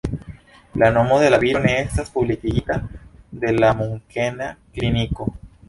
La nomo de la viro ne estas publikigita de la Munkena kliniko.